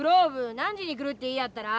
何時に来るって言いやったら？